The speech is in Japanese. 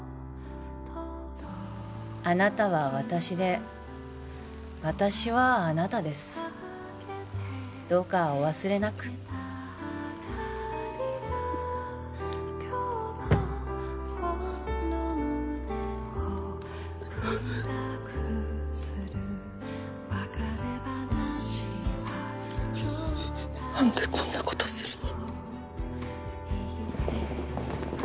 あなたは私で私はあなたですどうかお忘れなく何でこんなことするの？